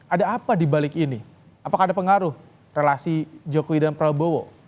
ada apa dibalik ini apakah ada pengaruh relasi jokowi dan prabowo